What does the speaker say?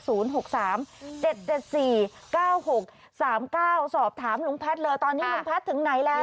สอบถามลุงแพทย์เลยตอนนี้ลุงแพทย์ถึงไหนแล้ว